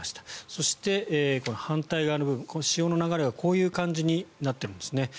そして、反対側の部分潮の流れがこうなってるんですね